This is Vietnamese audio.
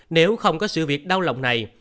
nếu không có sự việc đau lòng này